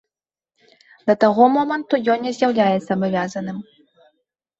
Да таго моманту ён не з'яўляецца абавязаным.